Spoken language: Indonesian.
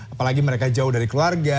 apalagi mereka jauh dari keluarga